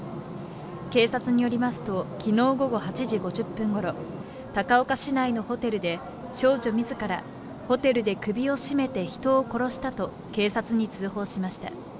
警察によりますときのう午後８時５０分ごろ、高岡市内のホテルで少女自らホテルで首を絞めて人を殺したと警察に通報しました。